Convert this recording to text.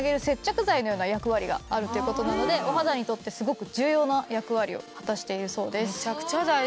接着剤のような役割があるっていう事なのでお肌にとってすごく重要な役割を果たしているそうです。